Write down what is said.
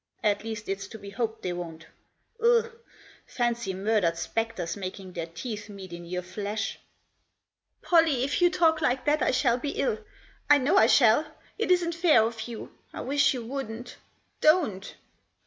At least, it's to be hoped they won't Ugh ! fancy murdered spectres making their teeth meet in your flesh !"" Pollie, if you talk like that I shall be ill ; I know I shall. It isn't fair of you. I wish you wouldn't Don't